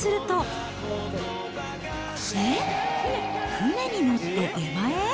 船に乗って出前？